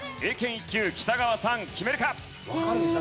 １級北川さん決めるか？